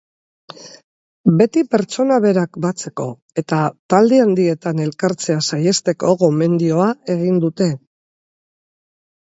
Beti pertsona berak batzeko eta talde handietan elkartzea saihesteko gomendioa egin dute.